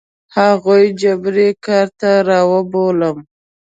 هغوی جبري کار ته رابولم.